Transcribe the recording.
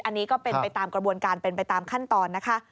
อันนี้ก็เป็นไปตามกระบวนการเป็นไปตามขั้นตอนนะคะ